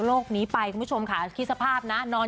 นี้ไปคุณผู้ชมค่ะคิดสภาพนะนอน